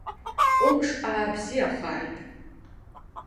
Умш аабзиахааит!